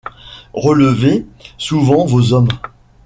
Relevez souvent vos hommes.